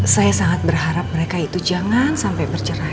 saya sangat berharap mereka itu jangan sampai bercerai